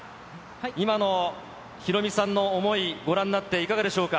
今のヒロミさんの思い、ご覧になっていかがでしょうか。